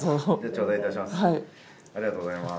頂戴いたします。